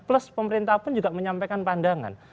plus pemerintah pun juga menyampaikan pandangan